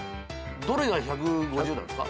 どれが１５０なんですか？